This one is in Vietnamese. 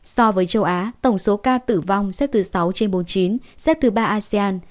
so với châu á tổng số ca tử vong xếp thứ sáu trên bốn mươi chín xếp thứ ba asean